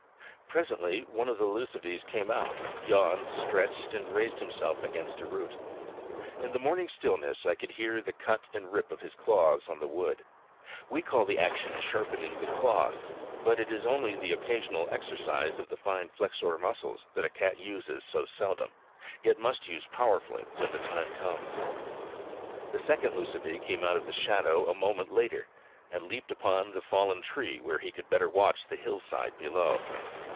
Presently one of the lucivees came out, yawned, stretched, raised himself against a root. In the morning stillness I could hear the cut and rip of his claws on the wood. We call the action sharpening the claws; but it is only the occasional exercise of the fine flexor muscles that a cat uses so seldom, yet must use powerfully when the time comes. The second lucivee came out of the shadow a moment later and leaped upon the fallen tree where he could better watch the hillside below.